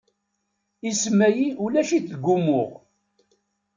Isem-ayi ulac-it deg umuɣ.